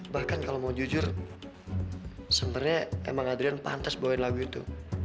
bahkan kalo mau jujur sebenernya emang hadrian pantas bawain lagu itu